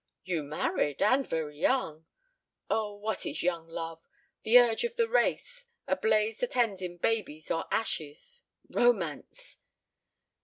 "You married and very young." "Oh, what is young love! The urge of the race. A blaze that ends in babies or ashes. Romance!"